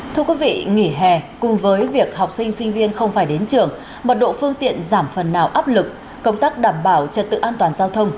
thưa quý vị nghỉ hè cùng với việc học sinh sinh viên không phải đến trường mật độ phương tiện giảm phần nào áp lực công tác đảm bảo trật tự an toàn giao thông